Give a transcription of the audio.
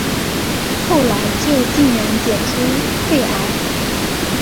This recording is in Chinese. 后来就竟然检查出肺癌